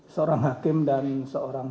seorang hakim dan seorang